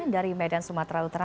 dari medan sumatera utara